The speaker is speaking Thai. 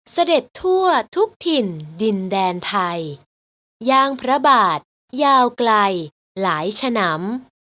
เสด็จทั่วทุกถิ่นดินแดนไทยย่างพระบาทยาวไกลหลายฉนำ